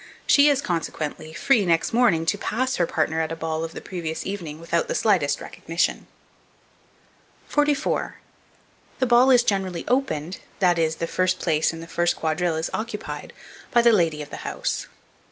She is, consequently, free, next morning, to pass her partner at a ball of the previous evening without the slightest recognition. 44. THE BALL IS GENERALLY OPENED, that is, the first place in the first quadrille is occupied, by the lady of the house.